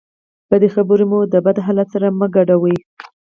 بدې خبرې مو د بد حالت سره مه ګډوئ.